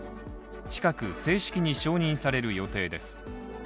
近く正式に承認される予定です。